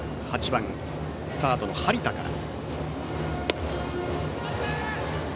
８番サードの張田から。